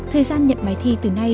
thời gian nhận bài thi từ nay